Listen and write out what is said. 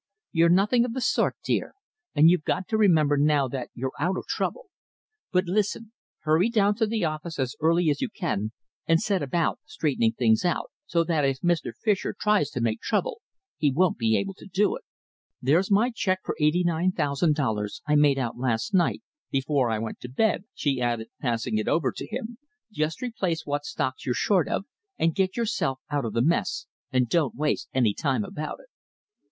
"You're nothing of the sort, dear, and you've got to remember now that you're out of the trouble. But listen. Hurry down to the office as early as you can and set about straightening things out, so that if Mr. Fischer tries to make trouble, he won't be able to do it. There's my cheque for eighty nine thousand dollars I made out last night before I went to bed," she added, passing it over to him. "Just replace what stocks you're short of and get yourself out of the mess, and don't waste any time about it."